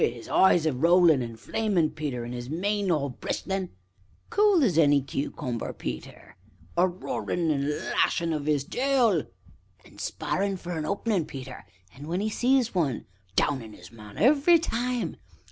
Wi' 'is eyes a rollin' an' flamin', Peter, an' 'is mane all bristlin' SIMON. Cool as any cucumber, Peter ANCIENT. A roarin' an' a lashin' of 'is tail SIMON. And sparrin' for an openin', Peter, and when 'e sees one downin' 'is man every time ANCIENT.